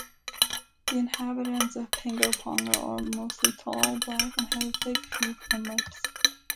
The inhabitants of Pingo-Pongo are mostly tall, black, and have big feet and lips.